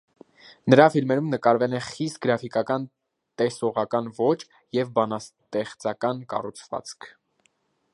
Նրա ֆիմերում նկատվել են «խիստ գրաֆիկական տեսողական ոճ և բանաստեղծական կառուցվածք»։